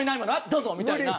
「どうぞ！」みたいな。